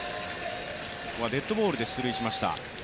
ここはデッドボールで出塁しました。